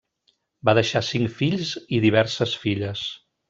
Va deixar cinc fills i diverses filles.